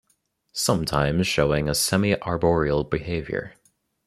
Sometimes showing a semi-arboreal behavior.